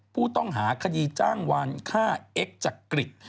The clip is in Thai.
ผู้ต้องหาคดีจ้างวานฆ่าเอ็กซ์จักริต